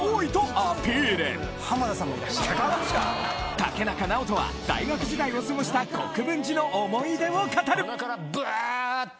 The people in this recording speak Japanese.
竹中直人は大学時代を過ごした国分寺の思い出を語る鼻からブーッて。